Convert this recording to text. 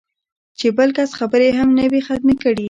چې بل کس خبرې هم نه وي ختمې کړې